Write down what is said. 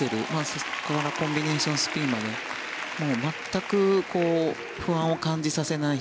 そこからコンビネーションスピンまで全く不安を感じさせない